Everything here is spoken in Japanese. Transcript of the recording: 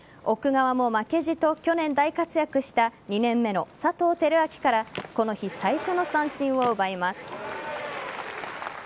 奥川も負けじと去年大活躍した２年目の佐藤輝明からこの日、最初の三振を奪います。